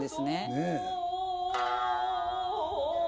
ねえ。